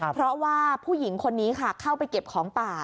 เพราะว่าผู้หญิงคนนี้ค่ะเข้าไปเก็บของป่า